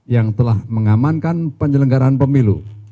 yang telah mengamankan penyelenggaran pemilu